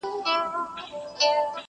عمرونه وسول په تیارو کي دي رواني جرګې،